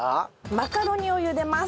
マカロニをゆでます。